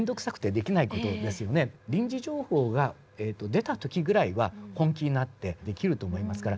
臨時情報が出た時ぐらいは本気になってできると思いますから。